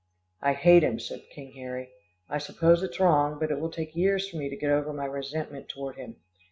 "I hate him," said King Harry. "I suppose it's wrong, but it will take years for me to get over my resentment toward him.